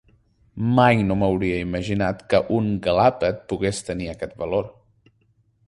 Mai no m’hauria imaginat que un galàpet pogués tenir aquest valor.